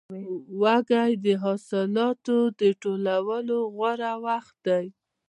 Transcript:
وږی د حاصلاتو د ټولولو غوره وخت دی.